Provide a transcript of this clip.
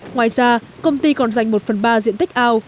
ngoài ra công ty còn dành một phần ba diện tích ao